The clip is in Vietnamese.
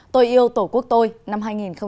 tôi yêu tổ quốc tôi năm hai nghìn hai mươi